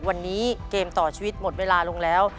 วันนี้เกมต่อชีวิตหมดเวลาลงแล้ว